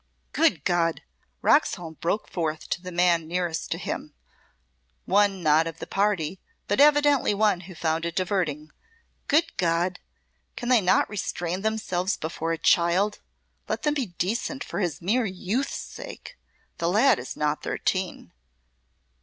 "Good God!" Roxholm broke forth to the man nearest to him, one not of the party, but evidently one who found it diverting; "good God! Can they not restrain themselves before a child? Let them be decent for his mere youth's sake! The lad is not thirteen."